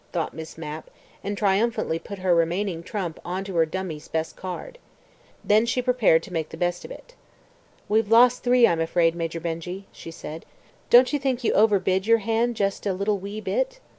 thought Miss Mapp, and triumphantly put her remaining trump on to her dummy's best card. Then she prepared to make the best of it. "We've lost three, I'm afraid, Major Benjy," she said. "Don't you think you overbid your hand just a little wee bit?"